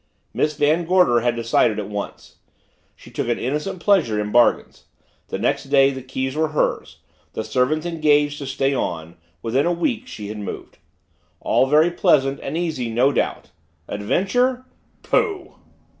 Miss Van Gorder had decided at once; she took an innocent pleasure in bargains. The next day the keys were hers the servants engaged to stay on within a week she had moved. All very pleasant and easy no doubt adventure pooh!